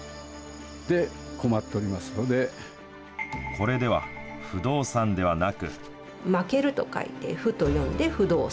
これでは、不動産ではなく。